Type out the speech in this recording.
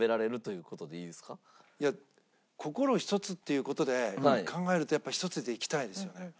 いや心をひとつっていう事で考えるとやっぱひとつでいきたいですよね。